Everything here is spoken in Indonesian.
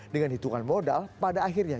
dengan hitungan modal pada akhirnya